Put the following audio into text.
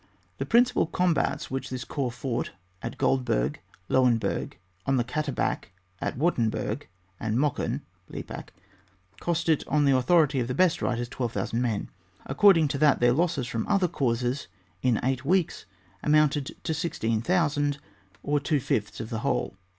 The principal combats which this corps fought at Goldberg, Lowenberg, on the Katsbach, at Wartenburg, and Mockem (Leipsic) cost it on the authority of the best writers, 12,000 men. Accord ing to that their losses from other causes in eight weeks amounted to 16,000, or two ftfths of the whole.